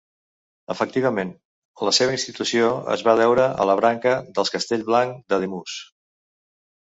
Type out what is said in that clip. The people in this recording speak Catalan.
Efectivament, la seva institució es va deure a la branca dels Castellblanc d'Ademús.